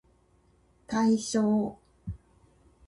対象